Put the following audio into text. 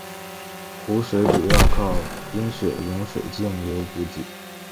湖水主要靠冰雪融水径流补给。